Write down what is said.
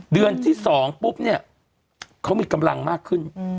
เดือนที่๒ปุ๊บเนี่ยเขามีกำลังมากขึ้น